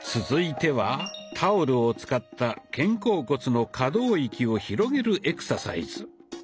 続いてはタオルを使った肩甲骨の可動域を広げるエクササイズ。